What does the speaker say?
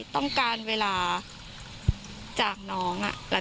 ต้องการเวลาจากน้อง